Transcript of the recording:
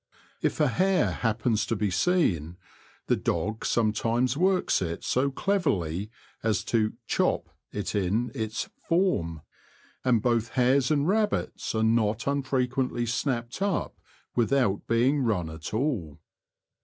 If a hare happens to be seen, the dog some times works it so cleverly as to "chop" it in its ''form" ; and both hares and rabbits are not unfrequently snapped up without being run at all.